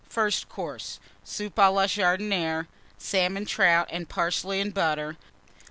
FIRST COURSE. Soup à la Jardinière. Salmon Trout and Parsley and Butter.